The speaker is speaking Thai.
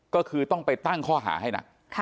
ก็คือต้องไปตั้งข้อหาให้หนัก